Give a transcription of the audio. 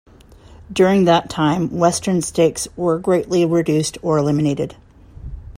During that time, western stakes were greatly reduced or eliminated.